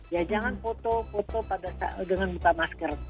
ya jangan foto foto dengan buka masker